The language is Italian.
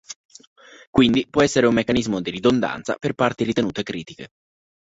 Quindi può essere un meccanismo di ridondanza per parti ritenute critiche.